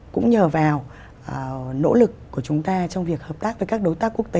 cũng nhờ vào nỗ lực của chúng ta trong việc hợp tác với các đối tác quốc tế